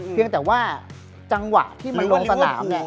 เพียงแต่ว่าจังหวะที่มันลงสนามไง